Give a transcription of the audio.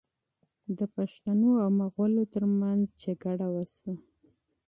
د پښتنو او مغلو ترمنځ نښته وشوه.